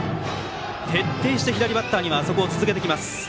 徹底して左バッターにはあそこを続けてきます。